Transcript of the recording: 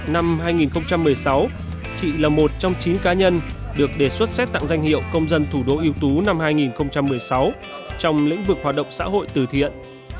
năm hai nghìn một mươi sáu chị là một trong chín cá nhân được đề xuất xét tặng danh hiệu công dân thủ đô yêu tú năm hai nghìn một mươi sáu trong lĩnh vực hoạt động xã hội từ thiện